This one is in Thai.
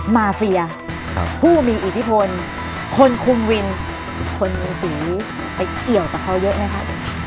มาเฟียผู้มีอิทธิพลคนคุมวินคนมีสีไปเกี่ยวกับเขาเยอะไหมคะ